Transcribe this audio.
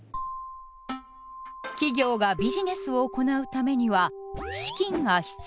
企業がビジネスを行うためには資金が必要です。